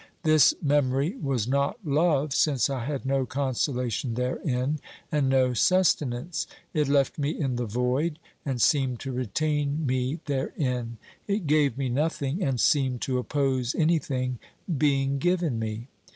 This memory was not love, since I had no consolation therein, and no sustenance ; it left me in the void, and seemed to retain me therein ; it gave me nothing, and seemed to oppose anything being given me.